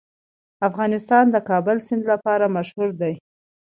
افغانستان د د کابل سیند لپاره مشهور دی.